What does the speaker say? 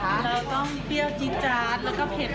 เราต้องเปรี้ยวจี๊จาดแล้วก็เผ็ด